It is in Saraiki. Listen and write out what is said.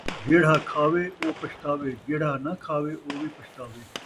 جیڑھا کھاوے او پچھتاوے، جیڑھا ناں کھاوے او وی پچھتاوے